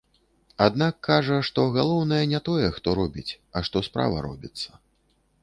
Аднак кажа, што галоўнае не тое, хто робіць, а што справа робіцца.